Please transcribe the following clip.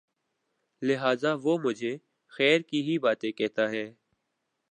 لہٰذا وہ مجھے خیر ہی کی باتیں کہتا ہے